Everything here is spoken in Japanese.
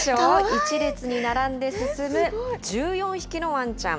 １列に並んで進む１４匹のワンちゃん。